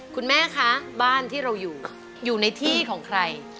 คุณแม่คะบ้านที่เราอยู่อยู่ในที่ของใคร